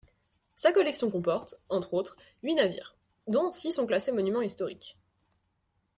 Sa collection comporte, entre autres, huit navires, dont six sont classés monuments historiques.